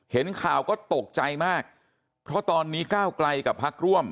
เห็นข่าวก็ตกใจมากเพราะตอนนี้ก้าวไกลกับพักร่วม